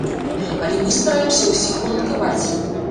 Але мы стараемся ўсіх уладкаваць.